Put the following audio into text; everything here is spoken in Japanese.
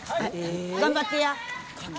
頑張ってや。